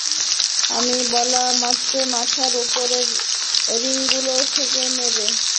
আমি বলা মাত্রই, মাথার ওপরের ঐ রিঙগুলো ধরে নেবে।